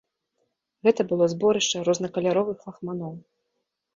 Гэта было зборышча рознакаляровых лахманоў.